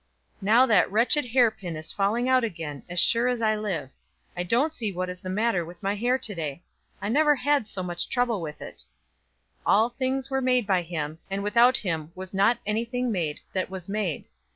Now that wretched hair pin is falling out again, as sure as I live; I don't see what is the matter with my hair to day. I never had so much trouble with it 'All things were made by him; and without him was not anything made that was made.